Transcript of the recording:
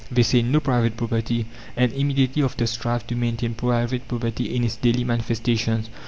They say, "No private property," and immediately after strive to maintain private property in its daily manifestations.